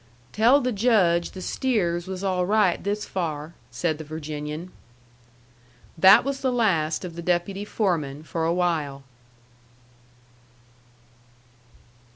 "Tell the Judge the steers was all right this far," said the Virginian. That was the last of the deputy foreman for a while.